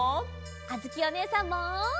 あづきおねえさんも！